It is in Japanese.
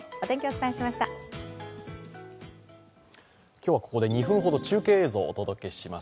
今日はここで２分ほど、中継映像をお届けします。